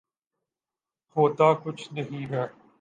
ہوتا کچھ نہیں ہے۔